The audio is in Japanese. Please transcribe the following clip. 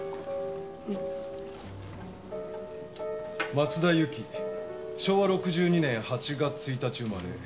松田由紀昭和６２年８月１日生まれ。